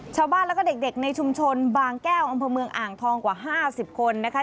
ชาวบ้านแล้วก็เด็กในชุมชนบางแก้วอำเภอเมืองอ่างทองกว่า๕๐คนนะคะ